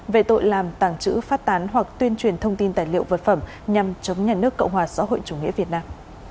về tội làm tàng trữ phát tán hoặc tuyên truyền thông tin tài liệu vật phẩm nhằm chống nhà nước cộng hòa xã hội chủ nghĩa việt nam